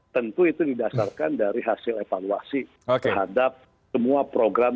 tentu itu didasarkan dari hasil evaluasi terhadap semua program